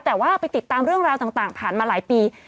แต่ว่าไปติดตามเรื่องราวต่างผ่านมาหลายปี